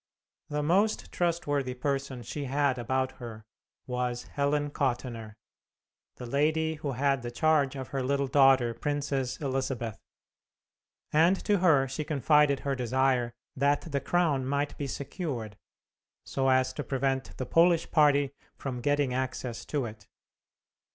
The most trustworthy person she had about her was Helen Kottenner, the lady who had the charge of her little daughter, Princess Elizabeth, and to her she confided her desire that the crown might be secured, so as to prevent the Polish party from getting access to it.